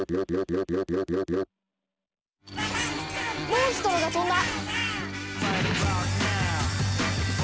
モンストロが飛んだ！